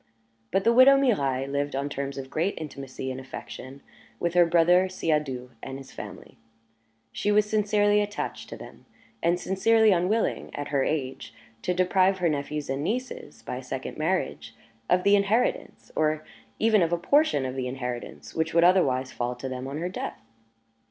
But the widow Mirailhe lived on terms of great intimacy and affection with her brother Siadoux and his family; she was sincerely attached to them, and sincerely unwilling, at her age, to deprive her nephews and nieces, by a second marriage, of the inheritance, or even of a portion of the inheritance, which would otherwise fall to them on her death.